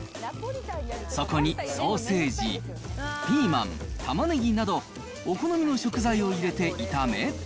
そこにソーセージ、ピーマン、玉ねぎなど、お好みの食材を入れて炒め。